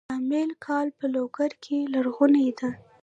د امیل کلا په لوګر کې لرغونې ده